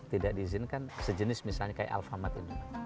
tidak diizinkan sejenis misalnya kayak alfamart ini